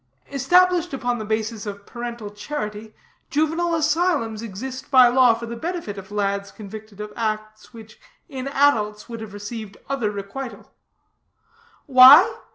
Established upon the basis of parental charity, juvenile asylums exist by law for the benefit of lads convicted of acts which, in adults, would have received other requital. Why?